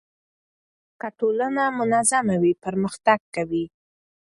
که ټولنه منظمه وي پرمختګ کوي.